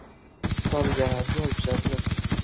ساڵی داهاتوو هەڵبژاردنە.